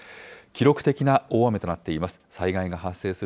記録的な大雨となっています。